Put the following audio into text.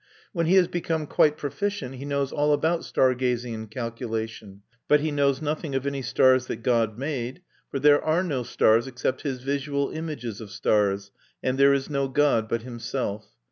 When he has become quite proficient he knows all about star gazing and calculation; but he knows nothing of any stars that God made; for there are no stars except his visual images of stars, and there is no God but himself.